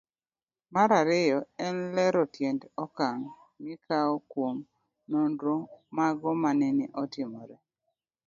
Mar ariyo en lero tiend okang' mikawo kuom nonro mogo manene otimore.